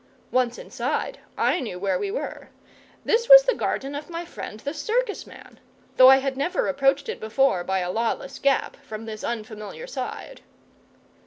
Once inside, I knew where we were. This was the garden of my friend the circus man, though I had never approached it before by a lawless gap, from this unfamiliar side.